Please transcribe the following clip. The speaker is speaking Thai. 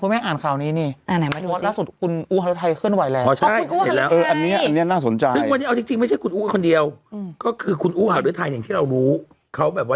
คุณแม่งอ่านข่าวนี้คุณอู้หารธัยเคลื่อนไหวแล้ว